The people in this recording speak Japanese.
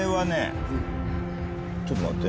ちょっと待って。